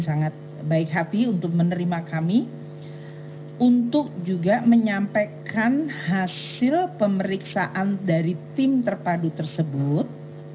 sangat baik hati untuk menerima kami untuk juga menyampaikan hasil pemeriksaan dari tim terpadu tersebut